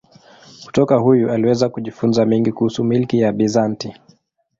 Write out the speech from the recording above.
Kutoka huyu aliweza kujifunza mengi kuhusu milki ya Bizanti.